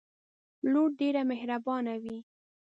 لور ډیره محربانه وی